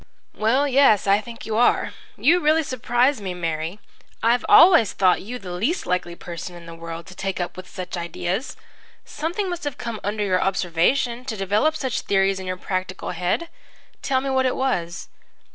"Well, yes, I think you are. You really surprise me, Mary. I always thought you the least likely person in the world to take up with such ideas. Something must have come under your observation to develop such theories in your practical head. Tell me what it was."